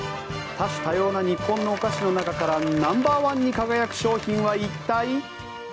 多種多様な日本のお菓子の中からナンバー１に輝く商品は一体？